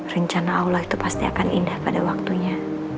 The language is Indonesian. rencana allah itu pasti akan indah pada waktunya